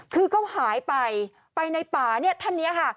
คือก็หายไปไปในป่าท่านนี้ค่ะ